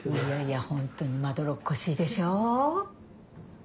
ホントにまどろっこしいでしょ？